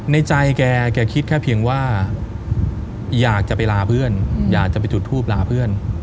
ในใจแกคิดแค่เพียงว่าอยากจะไปลาเพื่อนอยากจะไปจุดทูปลาเพื่อน